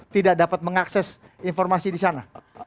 tidak dapat mengakses informasi disana